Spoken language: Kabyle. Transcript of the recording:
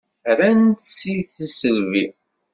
Rant-tt s tisselbi.